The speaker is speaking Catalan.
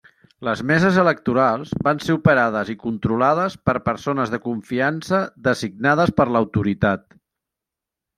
Les meses electorals van ser operades i controlades per persones de confiança designades per l'autoritat.